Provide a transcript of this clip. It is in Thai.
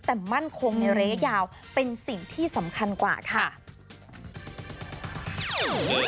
แต่มั่นคงในระยะยาวเป็นสิ่งที่สำคัญกว่าค่ะ